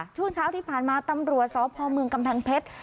ช่วงเช้าที่ผ่านมาตำรวจสพเมืองกำแพงเพชร